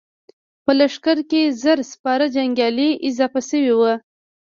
په لښکر کې يې زر سپاره جنګيالي اضافه شوي ول.